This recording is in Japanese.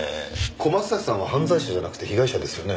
小松崎さんは犯罪者じゃなくて被害者ですよね？